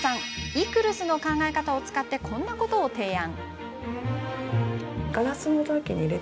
ＥＣＲＳの考え方を使ってこんなことを提案。